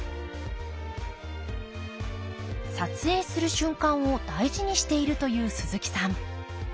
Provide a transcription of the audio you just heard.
撮影する瞬間を大事にしているという鈴木さん。